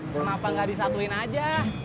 kenapa gak disatuin aja